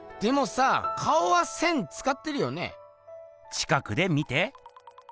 近くで見て。